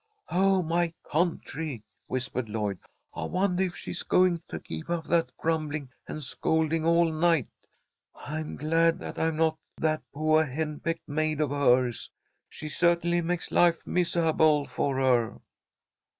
"Oh, my country!" whispered Lloyd. "I wondah if she's going to keep up that grumbling and scolding all night. I'm glad that I am not that poah henpecked maid of hers. She certainly makes life misahable for her."